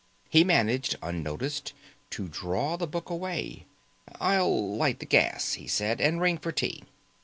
He managed unnoticed to draw the book away. "I'll light the gas," he said, "and ring for tea."